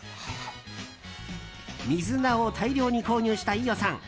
水菜を大量に購入した飯尾さん。